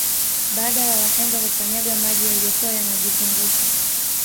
Baada ya wahenga kukanyaga maji yaliyokuwa yanajizungusha